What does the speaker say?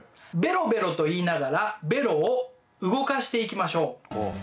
「ベロベロ」と言いながらベロを動かしていきましょう。